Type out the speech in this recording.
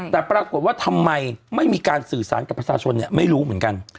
แต่ปรากฏว่าทำไมไม่มีการสื่อสารกับประชาชนไม่รู้เหมือนกัน